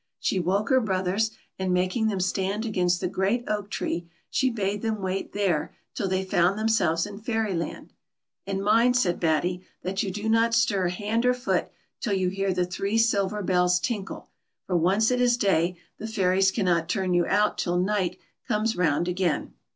She woke her brothers, and making them stand against the great oak tree, she bade them wait there till they found themselves in Fairyland. "And mind," said Batty, "that you do not stir hand or foot till you hear the three silver bells tinkle, for once it is day the fairies cannot turn you out till night comes rotmd again."